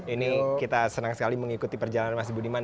ini kita senang sekali mengikuti perjalanan mas budiman